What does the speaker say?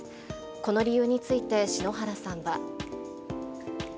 この理由について、篠原さんは。